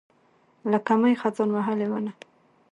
لکه مئ، خزان وهلې ونه